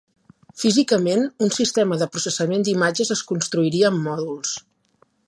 Físicament, un sistema de processament d'imatges es construiria amb mòduls.